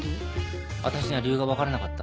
あたしには理由が分からなかった。